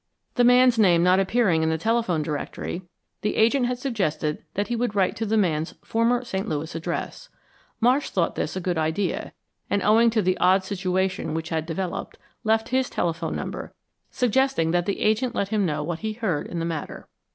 The man's name not appearing in the telephone directory, the agent had suggested that he would write to the man's former St. Louis address. Marsh thought this a good idea, and owing to the odd situation which had developed, left his telephone number, suggesting that the agent let him know what he heard in the matter.